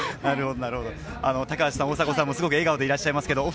高橋さん、大迫さんも笑顔でいらっしゃいます。